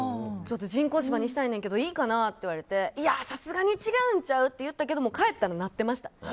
人工芝にしたいんだけどいいかな？って言われてさすがに違うんちゃう？って言ったんですけど帰ったらなってました。